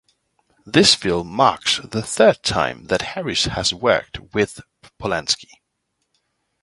This film marks the third time that Harris has worked with Polanski.